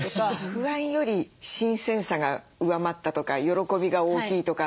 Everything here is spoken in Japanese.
不安より新鮮さが上回ったとか喜びが大きいとか。